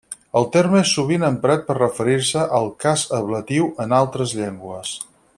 El terme és sovint emprat per referir-se al cas ablatiu en altres llengües.